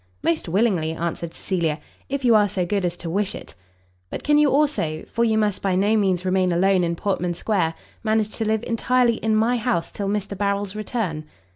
"Most willingly," answered Cecilia, "if you are so good as to wish it." "But can you also for you must by no means remain alone in Portman Square manage to live entirely in my house till Mr Harrel's return?"